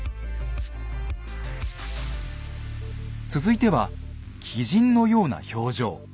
続いては鬼神のような表情。